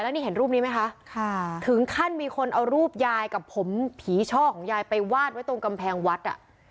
นี่เห็นรูปนี้ไหมคะถึงขั้นมีคนเอารูปยายกับผมผีช่อของยายไปวาดไว้ตรงกำแพงวัดอ่ะ